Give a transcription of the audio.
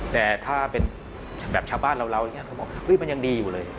แต่ถ้าเป็นแบบชาวบ้านเราอย่างนี้เขาบอกมันยังดีอยู่เลย